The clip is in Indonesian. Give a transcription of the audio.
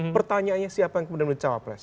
pertanyaannya siapa yang kemudian menjadi cawapres